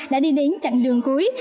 đã đi đến chặng đường cuối